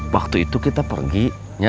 waktu itu kita pergi